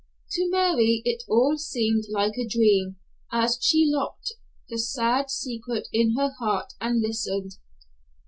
To Mary it all seemed like a dream as she locked the sad secret in her heart and listened.